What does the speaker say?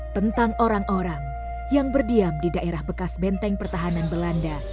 tentang orang orang yang berdiam di daerah bekas benteng pertahanan belanda